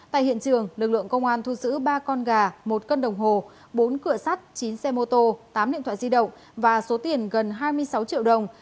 tại hiện trường lực lượng công an thu giữ ba con gà một cân đồng hồ bốn cửa sắt chín xe mô tô tám điện thoại di động và số tiền gần hai mươi sáu triệu đồng